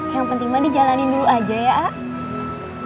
yang penting mahdi jalanin dulu aja yaa ah